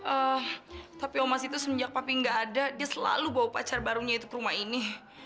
eh tapi omas itu semenjak papi gak ada dia selalu bawa pacar barunya itu ke rumah ini